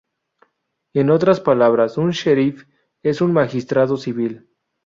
En otras palabras, un sheriff es un magistrado civil.